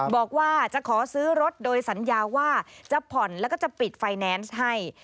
บอกว่าจะขอซื้อรถโดยสัญญาว่าจะผ่อนแล้วก็จะปิดไฟแนนซ์ให้